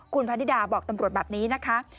คุณพนิดาบอกตำรวจแบบนี้นะคะ